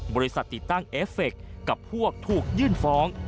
ติดตั้งเอฟเฟคกับพวกถูกยื่นฟ้อง